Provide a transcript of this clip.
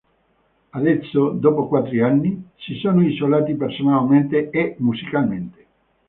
Adesso, dopo quattro anni, si sono isolati personalmente e musicalmente.